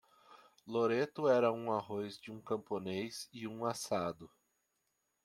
Loreto era um arroz de camponês e um assado.